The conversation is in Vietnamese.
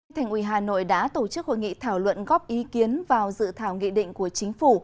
thành ủy hà nội đã tổ chức hội nghị thảo luận góp ý kiến vào dự thảo nghị định của chính phủ